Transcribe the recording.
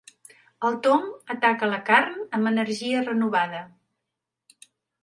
El Tom ataca la carn amb energia renovada.